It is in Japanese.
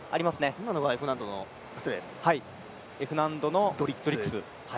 今のがＦ難度のドリッグス。